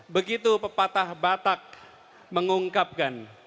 begitu pepatah batak mengungkapkan